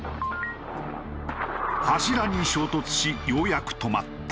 柱に衝突しようやく止まった。